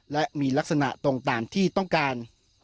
และมีลักษณะตรงตามที่ต้องการ